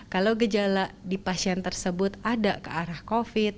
kalau gejala di pasien tersebut ada ke arah covid